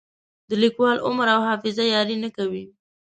د لیکوال عمر او حافظه یاري نه کوي.